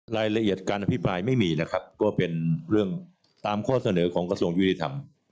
รายละเอียดการอภิปรายไม่มีนะครับก็เป็นเรื่องตามข้อเสนอของกระทรวงยุติธรรม